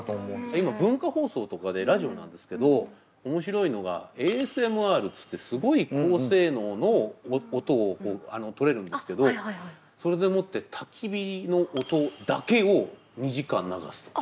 今文化放送とかでラジオなんですけど面白いのがＡＳＭＲっていってすごい高性能の音をとれるんですけどそれでもってたき火の音だけを２時間流すとか。